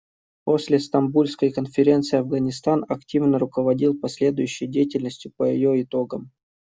После Стамбульской конференции Афганистан активно руководил последующей деятельностью по ее итогам.